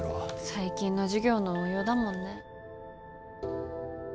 最近の授業の応用だもんね。